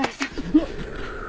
うわっ！？